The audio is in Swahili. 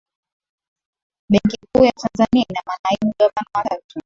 benki kuu ya tanzania ina manaibu gavana watatu